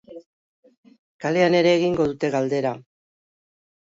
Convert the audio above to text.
Kalean ere egingo dute galdera.